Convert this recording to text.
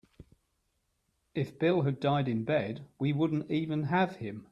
If Bill had died in bed we wouldn't even have him.